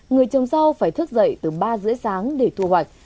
người trồng rau phải thức dậy từ ba h ba mươi để thu hoạch